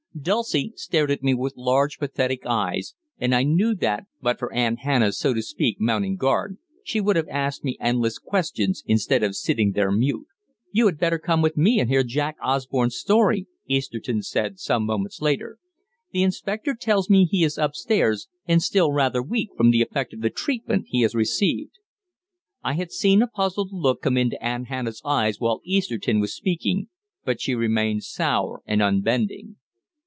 Dulcie stared at me with large, pathetic eyes, and I knew that, but for Aunt Hannah's so to speak mounting guard, she would have asked me endless questions instead of sitting there mute. "You had better come with me and hear Jack Osborne's story," Easterton said some moments later. "The Inspector tells me he is upstairs, and still rather weak from the effect of the treatment he has received." I had seen a puzzled look come into Aunt Hannah's eyes while Easterton was speaking, but she remained sour and unbending.